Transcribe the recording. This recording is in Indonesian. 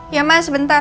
iya ma sebentar